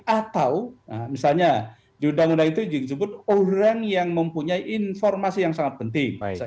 atau misalnya di undang undang itu disebut orang yang mempunyai informasi yang sangat penting